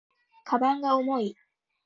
鞄が重い